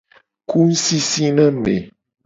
Ku ngusisi na ame.